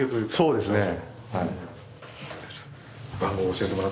そうですね。